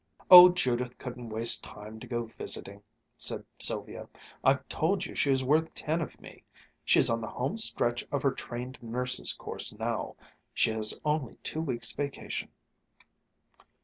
"Oh, Judith couldn't waste time to go visiting," said Sylvia. "I've told you she is worth ten of me. She's on the home stretch of her trained nurse's course now. She has only two weeks' vacation."